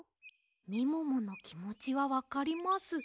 みもものきもちはわかります。